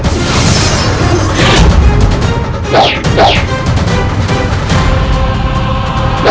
terima kasih raden